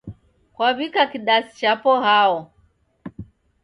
Kwaw'ika kidasi chapo hao?